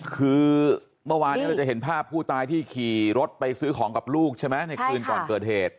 คือเมื่อวานนี้เราจะเห็นภาพผู้ตายที่ขี่รถไปซื้อของกับลูกใช่ไหมในคืนก่อนเกิดเหตุ